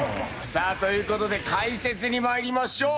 さあという事で解説にまいりましょう。